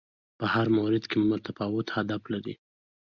په هر مورد کې متفاوت هدف لري